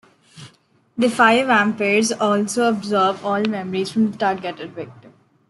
The fire vampires also absorb all memories from the targeted victim.